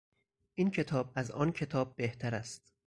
این کتاب از آن کتاب بهتر است.